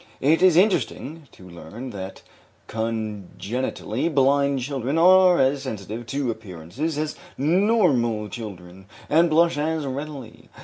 It is interesting to learn that congenitally blind children are as sensitive to appearances as normal children, and blush as readily.